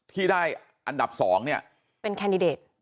ที่ได้อันดับสองเป็นแคร์นดิเดท